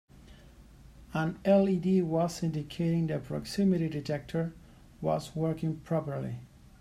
An LED was indicating the proximity detector was working properly.